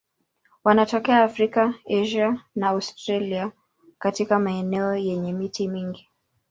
Wanatokea Afrika, Asia na Australia katika maeneo yenye miti mingi.